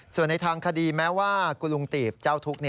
ส่วนในทางคดีแม้ว่ากุลุงตีบเจ้าทุกข์